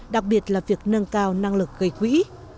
đặc biệt là việc nâng cao năng lực gây quỹ